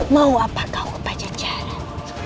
mau apa kau pancajaran